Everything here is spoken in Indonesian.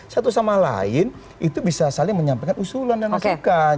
satu sama lain itu bisa saling menyampaikan usulan dan masukan